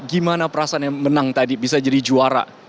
gimana perasaan yang menang tadi bisa jadi juara